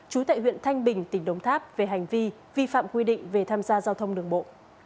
chú tại huyện thanh bình tỉnh đồng tháp về hành vi vi phạm quy định về tham gia giao thông đường bộ